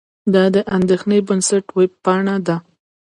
دا د اندېښې بنسټ وېبپاڼه ده.